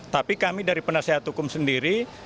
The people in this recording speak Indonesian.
tapi kami dari penasehat hukum sendiri